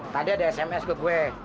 tadi ada sms good gue